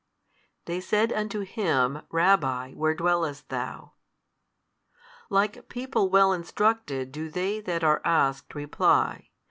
They said unto Him, Rabbi, where dwellest Thou? Like people well instructed do they that are asked reply.